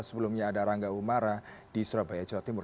sebelumnya ada rangga umara di surabaya jawa timur